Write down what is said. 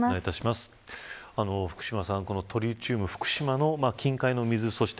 福島さん、トリチウム福島近海の水。